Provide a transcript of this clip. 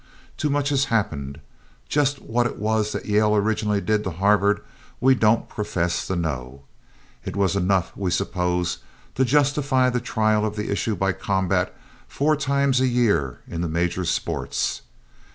Too much has happened. Just what it was that Yale originally did to Harvard we don't profess to know. It was enough we suppose to justify the trial of the issue by combat four times a year in the major sports.